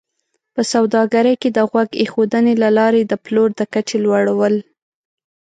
په سوداګرۍ کې د غوږ ایښودنې له لارې د پلور د کچې لوړول